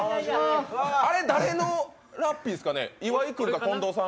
あれ、誰のラッピーですかね、岩井さん？